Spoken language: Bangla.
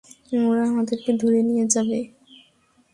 ওরা আমাদেরকে ধরে নিয়ে যাবে!